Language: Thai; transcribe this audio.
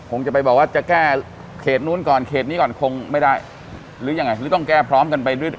คงจะไปบอกว่าจะแก้เขตนู้นก่อนเขตนี้ก่อนคงไม่ได้หรือยังไงหรือต้องแก้พร้อมกันไปด้วย